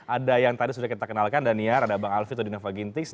ada yang tadi sudah kita kenalkan daniar ada bang alvi todinavagintis